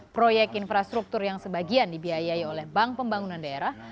proyek infrastruktur yang sebagian dibiayai oleh bank pembangunan daerah